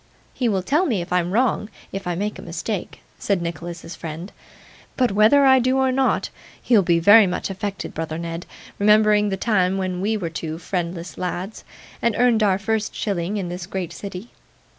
'He will tell me I'm wrong, if I make a mistake,' said Nicholas's friend. 'But whether I do or not, you'll be very much affected, brother Ned, remembering the time when we were two friendless lads, and earned our first shilling in this great city.